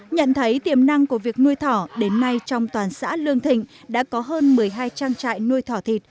nhận thấy tiềm năng của việc nuôi thỏ đến nay trong toàn xã lương thịnh đã có hơn một mươi hai trang trại nuôi thỏ thịt